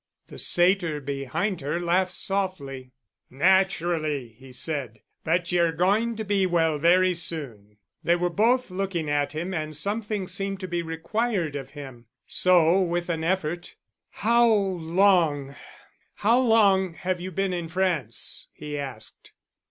The Satyr behind her laughed softly. "Naturally," he said, "but ye're going to be well very soon." They were both looking at him and something seemed to be required of him. So with an effort, "How long—how long have you been in France?" he asked.